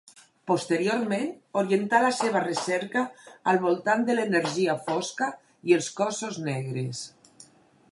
Posteriorment orientà la seva recerca al voltant de l'energia fosca i els cossos negres.